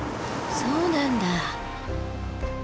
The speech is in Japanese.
そうなんだ。